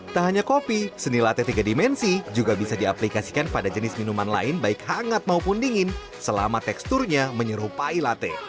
tak hanya kopi seni latte tiga dimensi juga bisa diaplikasikan pada jenis minuman lain baik hangat maupun dingin selama teksturnya menyerupai latte